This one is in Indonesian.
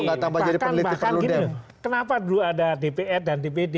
bahkan bahkan gini kenapa dulu ada dpr dan dpd